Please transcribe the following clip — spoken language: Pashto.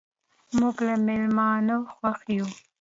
موږ له میلمانه خوښ یو.